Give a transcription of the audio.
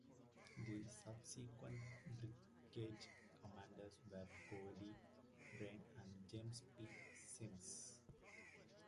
The subsequent brigade commanders were Goode Bryan and James P. Simms.